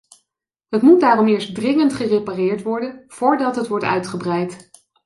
Het moet daarom eerst dringend gerepareerd worden voordat het wordt uitgebreid.